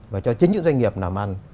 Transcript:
và cho chính những doanh nghiệp làm ăn